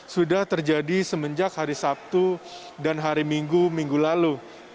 sudah terjadi semenjak hari sabtu dan hari minggu minggu lalu